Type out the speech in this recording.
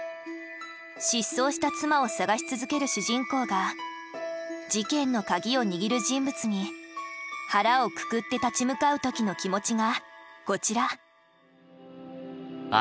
失踪した妻を探し続ける主人公が事件の鍵を握る人物に腹をくくって立ち向かう時の気持ちがこちら。